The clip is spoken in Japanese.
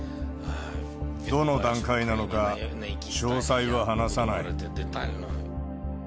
どの段階なのか、詳細は話さない。